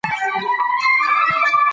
وخت زموږ لپاره هېڅ ډول مانا نهلري.